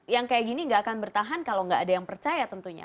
yang seperti ini tidak akan bertahan kalau tidak ada yang percaya tentunya